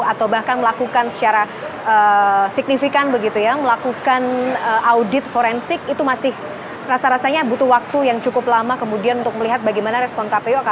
atau bahkan melakukan secara signifikan begitu ya melakukan audit forensik itu masih rasa rasanya butuh waktu yang cukup lama kemudian untuk melihat bagaimana respon kpu